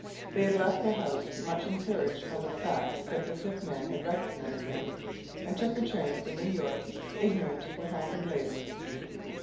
They had left the house much encouraged by the fact that the sick man had recognized them, and took a train for New York ignorant of what happened later.